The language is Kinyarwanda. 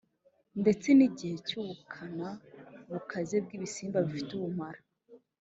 Ndetse n’igihe cy’ubukana bukaze bw’ibisimba bifite ubumara,